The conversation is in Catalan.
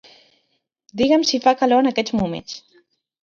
Digue'm si fa calor en aquests moments.